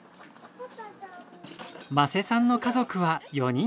間瀬さんの家族は４人。